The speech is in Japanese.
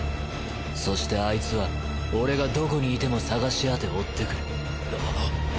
そしてあいつは俺がどこにいても探し当て追ってくる。